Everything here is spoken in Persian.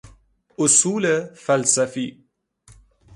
اصول فلسفی